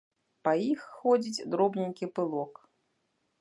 Па іх ходзіць дробненькі пылок.